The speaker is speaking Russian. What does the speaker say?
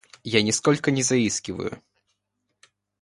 Я нисколько не заискиваю.